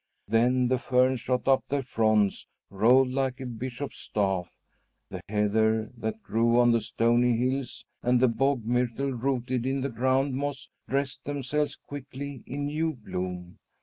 Then the ferns shot up their fronds, rolled like a bishop's staff. The heather that grew on the stony hills and the bog myrtle rooted in the ground moss dressed themselves quickly in new bloom.